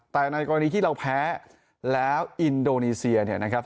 แต่ในกรณีที่เราแพ้แล้วอินโดนีเซียเนี่ยนะครับ